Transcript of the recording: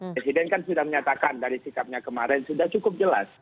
presiden kan sudah menyatakan dari sikapnya kemarin sudah cukup jelas